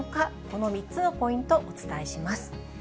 この３つのポイント、お伝えします。